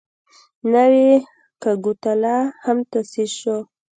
نوی کګوتلا هم تاسیس شو.